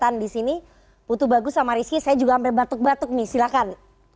adakah pkm diuntungkan